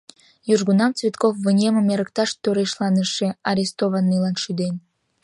Южгунам Цветков вынемым эрыкташ торешланыше арестованныйлан шӱден.